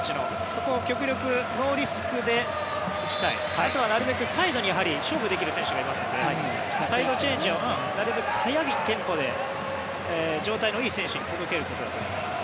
そこを極力ノーリスクで行きたいあとはなるべくサイドに勝負できる選手がいますのでサイドチェンジをなるべく速いテンポで状態のいい選手に届けることができます。